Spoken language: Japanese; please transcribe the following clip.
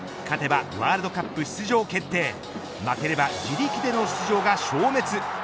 勝てばワールドカップ出場決定へ負ければ、自力での出場が消滅。